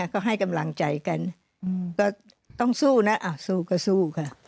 ก็ให้กำลังใจกันก็ต้องสู้นะสู้ก็สู้ค่ะ